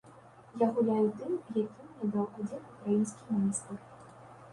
Я гуляю тым, які мне даў адзін украінскі майстар.